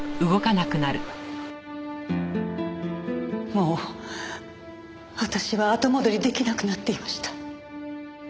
もう私は後戻り出来なくなっていました。